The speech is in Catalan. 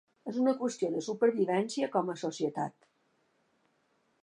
És una qüestió de supervivència com a societat.